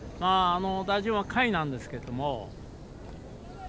打順は下位なんですけれども。